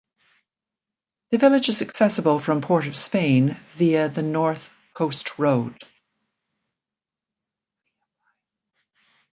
The village is accessible from Port of Spain via the North Coast Road.